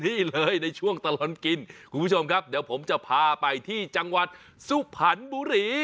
นี่เลยในช่วงตลอดกินคุณผู้ชมครับเดี๋ยวผมจะพาไปที่จังหวัดสุพรรณบุรี